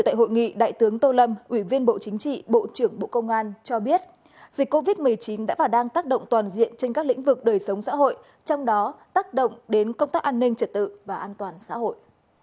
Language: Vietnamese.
tại hội nghị đại tướng tô lâm ủy viên bộ chính trị bộ trưởng bộ công an cho biết dịch covid một mươi chín đã và đang tác động toàn diện trên các lĩnh vực đời sống xã hội trong đó tác động đến công tác an ninh trật tự và an toàn xã hội